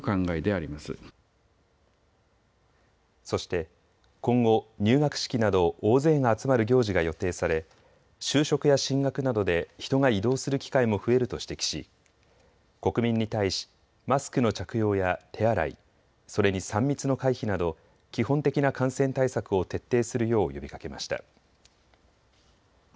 そして今後、入学式など大勢が集まる行事が予定され就職や進学などで人が移動する機会も増えると指摘し国民に対しマスクの着用や手洗い、それに３密の回避など基本的な感染対策を徹底するよう呼びかけました。